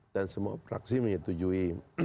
dan semua fraksi menyetujui